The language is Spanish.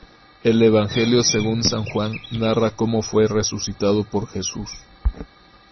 El Evangelio según San Juan narra como fue resucitado por Jesús.